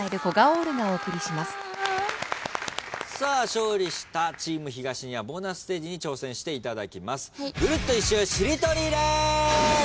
勝利したチーム東にはボーナスステージに挑戦していただきます。